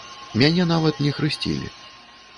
Мяне нават не хрысцілі.